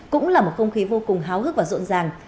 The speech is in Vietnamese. cũng là một không khí vô cùng háo hức và rộn ràng